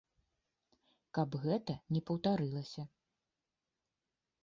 Каб гэта не паўтарылася.